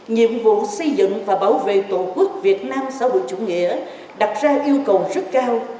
nhiệm vụ xây dựng và bảo vệ tổ quốc việt nam xã hội chủ nghĩa đặt ra yêu cầu rất cao